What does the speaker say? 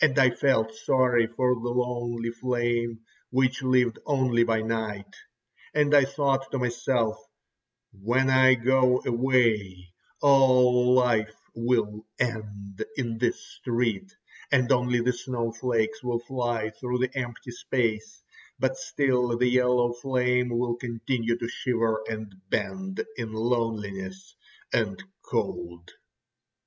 And I felt sorry for the lonely flame which lived only by night, and I thought to myself, when I go away all life will end in this street, and only the snowflakes will fly through the empty space; but still the yellow flame will continue to shiver and bend in loneliness and cold.